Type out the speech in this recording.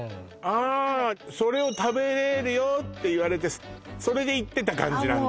ああそれを食べれるよって言われてそれで行ってた感じなんだ？